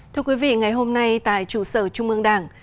thưa quý vị ngày hôm nay tại chủ sở trung mương đảng